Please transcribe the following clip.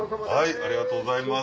ありがとうございます。